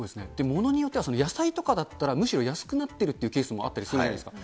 物によっては野菜とかだったら、むしろ安くなっているというケースもあったりするじゃないですか。